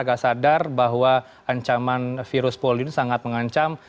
agar sadar bahwa ancaman virus polio ini sangat mengancam